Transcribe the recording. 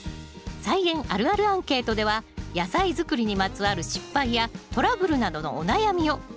「菜園あるあるアンケート」では野菜づくりにまつわる失敗やトラブルなどのお悩みを！